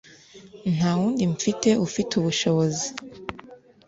nta wundi mfite ufiteubushobozi